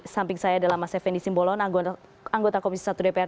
samping saya adalah mas effendi simbolon anggota komisi satu dpr